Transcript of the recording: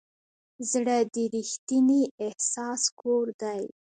زړه د ریښتیني احساس کور دی.